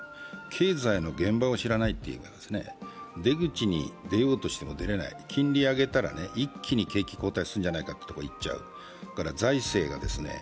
経済の現場を知らないと、出口に出ようとしても出れない、金利を上げたら一気に景気が後退するのではないかというところにいってしまう。